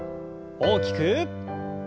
大きく。